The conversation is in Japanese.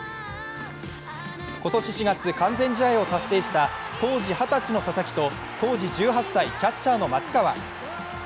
今年４月、完全試合を達成した当時二十歳の佐々木と当時１８歳、キャッチャーの松川。